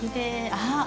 あっ！